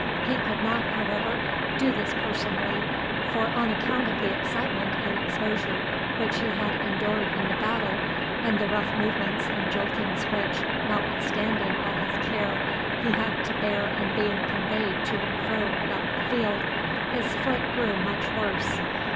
He could not, however, do this personally, for, on account of the excitement and exposure which he had endured in the battle, and the rough movements and joltings which, notwithstanding all his care, he had to bear in being conveyed to and fro about the field, his foot grew much worse.